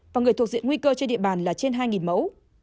và người thuộc diện nguy cơ trên địa bàn là trên hai mẫu